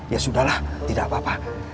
ya sudah lah tidak apa apa